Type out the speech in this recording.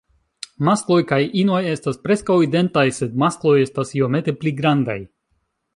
Maskloj kaj inoj estas preskaŭ identaj; sed maskloj estas iomete pli grandaj.